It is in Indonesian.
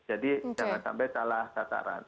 jadi jangan sampai salah sataran